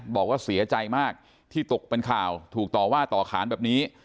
บอกว่าเสียใจมากที่ตกเป็นข่าวถูกต่อว่าต่อขานแบบนี้